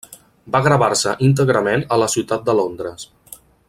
Va gravar-se íntegrament a la ciutat de Londres.